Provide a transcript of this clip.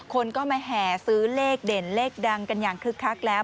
คนก็มาแห่ซื้อเลขเด่นเลขดังกันอย่างคึกคักแล้ว